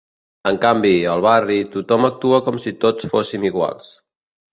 En canvi, al barri, tothom actua com si tots fóssim iguals.